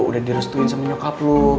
udah direstuin sama nyokap loh